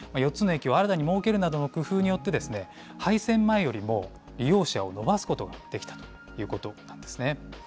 ４つの駅を新たに設けるなどの工夫によって、廃線前よりも利用者を伸ばすことができたということなんですね。